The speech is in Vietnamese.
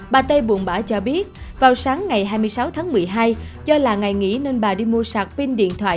bà tây buồn bã cho biết vào sáng ngày hai mươi sáu tháng một mươi hai do là ngày nghỉ nên bà đi mua sạc pin điện thoại